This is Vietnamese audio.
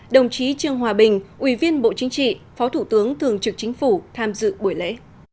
đồng chí trương hòa bình ubnd phó thủ tướng thường trực chính phủ tham dự buổi lễ